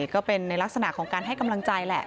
ก็เป็นในลักษณะของการให้กำลังใจแหละ